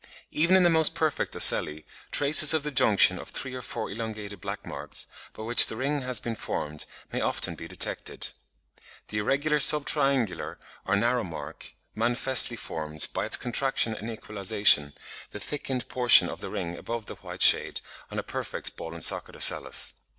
Even in the most perfect ocelli traces of the junction of three or four elongated black marks, by which the ring has been formed, may often be detected. The irregular sub triangular or narrow mark (d, Fig. 59), manifestly forms, by its contraction and equalisation, the thickened portion of the ring above the white shade on a perfect ball and socket ocellus.